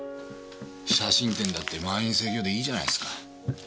写真展だって満員盛況でいいじゃないですか。